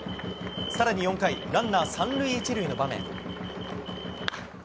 さらに４回、ランナー３塁１塁の場面。